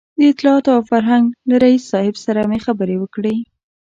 د اطلاعاتو او فرهنګ له رییس صاحب سره مې خبرې وکړې.